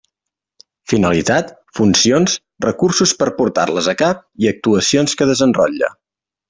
Finalitat, funcions, recursos per a portar-les a cap i actuacions que desenrotlla.